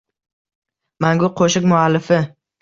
Mangu qo‘shiq muallifi